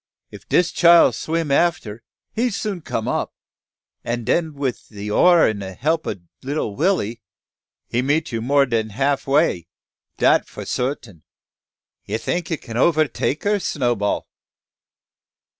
If dis child swim affer, he soon come up; and den wif de oar an' de help ob lilly Willy, he meet you more dan half way, dat fo' sartin." "You think you can overtake her, Snowball?"